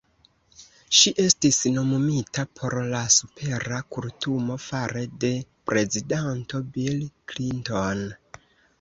Ŝi estis nomumita por la Supera Kortumo fare de prezidanto Bill Clinton.